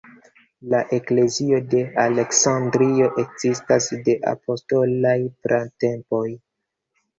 La "eklezio de Aleksandrio" ekzistas de apostolaj pratempoj.